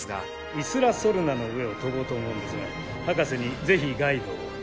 イスラ・ソルナの上を飛ぼうと思うんですが博士にぜひガイドを。